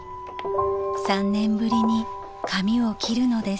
［３年ぶりに髪を切るのです］